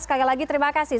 sekali lagi terima kasih